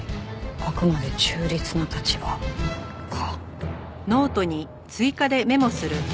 あくまで中立な立場」か。